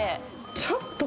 ちょっと。